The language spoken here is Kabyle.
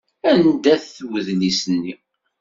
Anda-t wedlis-nni?